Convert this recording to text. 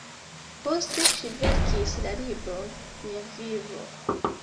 Poste ŝi verkis la libron ""Mia vivo"".